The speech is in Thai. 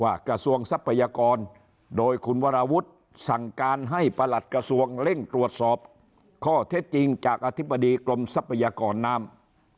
กระทรวงทรัพยากรโดยคุณวรวุฒิสั่งการให้ประหลัดกระทรวงเร่งตรวจสอบข้อเท็จจริงจากอธิบดีกรมทรัพยากรน้ำ